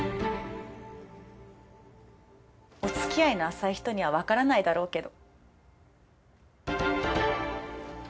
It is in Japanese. お付き合いの浅い人にはわからないだろうけど。